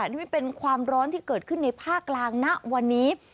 นี่เป็นความร้อนที่เกิดขึ้นในภาคกลางณวันนี้